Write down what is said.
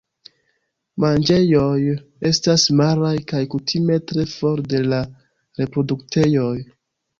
Manĝejoj estas maraj kaj kutime tre for de la reproduktejoj.